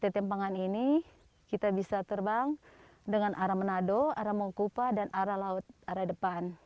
di tempangan ini kita bisa terbang dengan arah manado arah mongkupa dan arah laut arah depan